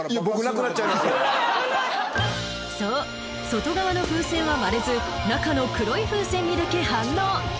外側の風船は割れず中の黒い風船にだけ反応］